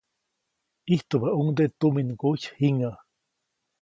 Ijtubäʼuŋnde tuminŋguy jiŋäʼ.